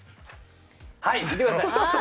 はい、見てください。